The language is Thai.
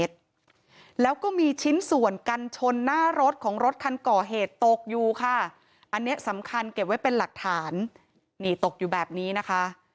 ครับก็มีชิ้นส่วนกันชนหน้ารถของรถคันก่อเหตุตกอยู่ค่ะอันนี้สำคัญเก็บไว้เป็นหลักฐานหนีตกอยู่แบบนี้นะคะ